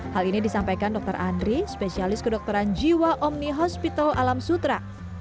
hal ini disampaikan dr andri spesialis kedokteran jiwa omni hospital alam sutra